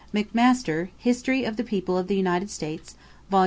= McMaster, History of the People of the United States, Vol.